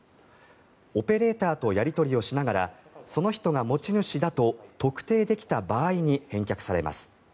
オペレーターとやり取りをしながらその人が持ち主だと特定できた場合に返却されます。